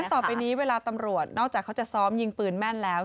ต่อไปนี้เวลาตำรวจนอกจากเขาจะซ้อมยิงปืนแม่นแล้ว